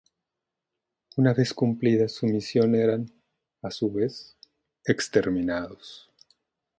Una vez cumplida su misión eran, a su vez, exterminados.